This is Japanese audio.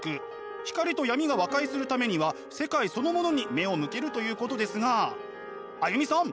光と闇が和解するためには世界そのものに目を向けるということですがＡＹＵＭＩさん